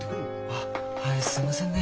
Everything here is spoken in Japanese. あはいすいませんね。